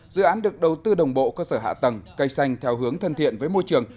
dự án được đầu tư đồng bộ cơ sở hạ tầng cây xanh theo hướng thân thiện với môi trường